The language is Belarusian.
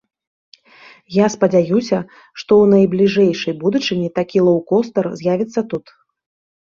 Я спадзяюся, што ў найбліжэйшай будучыні такі лоўкостар з'явіцца тут.